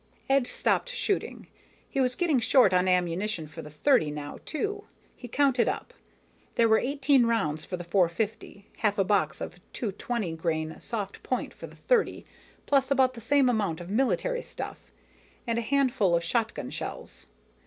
Ed stopped shooting. He was getting short on ammunition for the .30 now, too. He counted up. There were eighteen rounds for the .450, half a box of 220 grain soft point for the .30 plus about the same amount of military stuff, and a handful of shotgun shells.